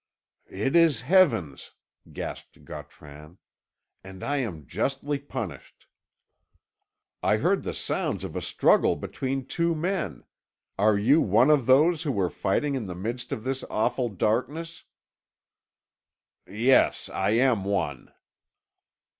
"It is Heaven's," gasped Gautran, "and I am justly punished." "I heard the sounds of a struggle between two men. Are you one of those who were fighting in the midst of this awful darkness?" "Yes, I am one."